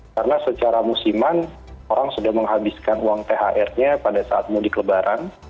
karena secara musiman orang sudah menghabiskan uang thr nya pada saat mudik lebaran